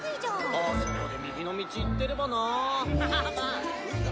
・あそこで右の道行ってればな。